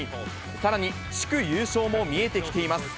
さらに地区優勝も見えてきています。